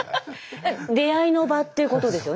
出会いの場っていうことですよね？